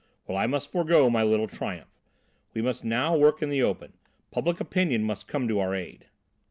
Well, I must forego my little triumph. We must now work in the open. Public opinion must come to our aid."